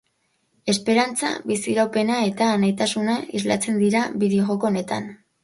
Esperantza, biziraupena eta anaitasuna islatzen dira bideo-joko honetan.